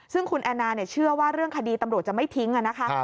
ซึ่งคุณแอนนาเชื่อว่าเรื่องคดีตำรวจจะไม่ทิ้งนะคะ